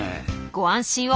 ご安心を。